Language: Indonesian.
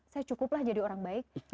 saya cukuplah jadi orang baik